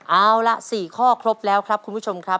เอาล่ะ๔ข้อครบแล้วครับคุณผู้ชมครับ